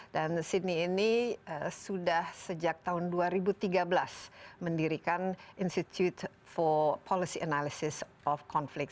dan sidney ini sudah sejak tahun dua ribu tiga belas mendirikan institute for policy analysis of conflict